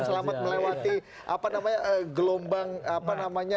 selamat melewati apa namanya gelombang apa namanya